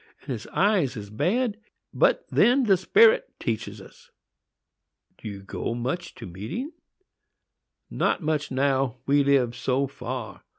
and his eyes is bad. But then the Sperit teaches us." "Do you go much to meeting?" "Not much now, we live so far.